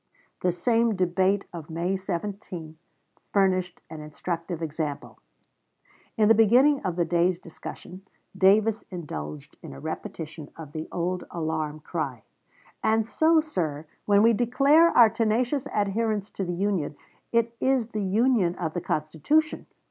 This same debate of May 17 furnished an instructive example. "Globe," May 17, 1860, p. 2151. In the beginning of the day's discussion Davis indulged in a repetition of the old alarm cry: "And so, sir, when we declare our tenacious adherence to the Union, it is the Union of the Constitution.